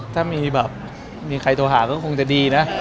ถ้ามีแบบมีใครโทรหาก็คงจะดีนะ